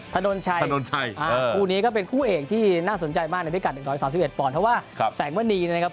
ถนนชัยถนนชัยคู่นี้ก็เป็นคู่เอกที่น่าสนใจมากในพิกัด๑๓๑ปอนด์เพราะว่าแสงมณีนะครับ